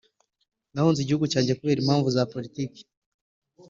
nahunze igihugu cyanjye kubera impamvu za politiki